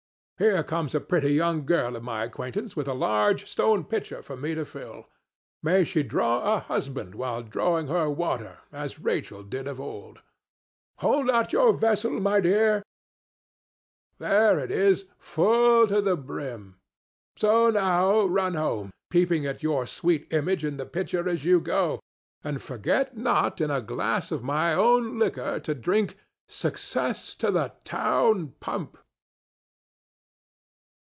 Here comes a pretty young girl of my acquaintance with a large stone pitcher for me to fill. May she draw a husband while drawing her water, as Rachel did of old!—Hold out your vessel, my dear! There it is, full to the brim; so now run home, peeping at your sweet image in the pitcher as you go, and forget not in a glass of my own liquor to drink "SUCCESS TO THE TOWN PUMP."